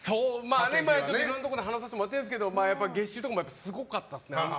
一応いろんなところで話させてもらってるんですけど月収とかもすごかったですね。